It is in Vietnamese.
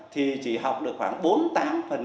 thì chỉ học được khoảng